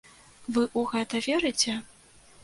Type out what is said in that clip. Вы ў гэта верыце?